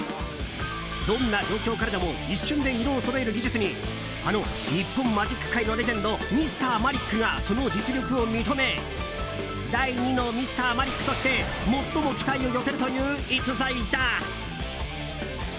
どんな状況からでも一瞬で色をそろえる技術にあの日本マジック界のレジェンドＭｒ．マリックがその実力を認め第２のＭｒ．マリックとして最も期待を寄せるという逸材だ。